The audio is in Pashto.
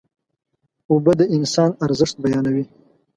اوبه د انسان ارزښت بیانوي.